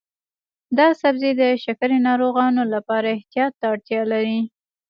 دا سبزی د شکرې ناروغانو لپاره احتیاط ته اړتیا لري.